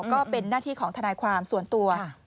ก็เป็นหน้าที่ของทนายความส่วนตัว